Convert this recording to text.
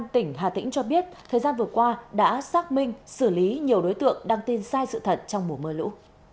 thời gian vừa qua đã xác minh xử lý nhiều đối tượng đăng tin sai sự thật trong mùa mưa lũ